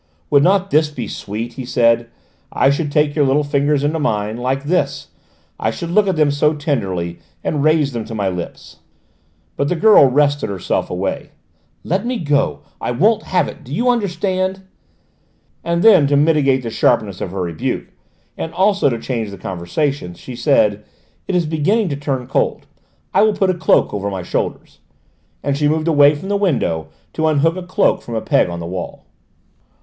"Would not this be sweet?" he said. "I should take your little fingers into mine like this; I should look at them so tenderly, and raise them to my lips " But the girl wrested herself away. "Let me go! I won't have it! Do you understand?" And then, to mitigate the sharpness of her rebuke, and also to change the conversation, she said: "It is beginning to turn cold. I will put a cloak over my shoulders," and she moved away from the window to unhook a cloak from a peg on the wall.